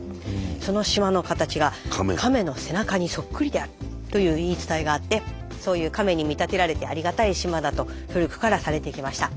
その島の形が亀の背中にそっくりであるという言い伝えがあってそういう亀に見立てられてありがたい島だと古くからされてきました。